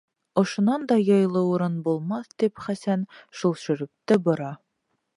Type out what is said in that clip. Ошонан да яйлы урын булмаҫ, тип, Хәсән һул шөрөптө бора.